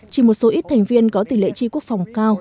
chỉ một số ít thành viên có tỷ lệ chi quốc phòng cao